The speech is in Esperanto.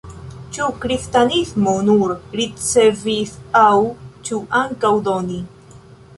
Ĉu kristanismo nur ricevis aŭ ĉu ankaŭ doni?